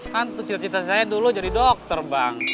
kan cita cita saya dulu jadi dokter bang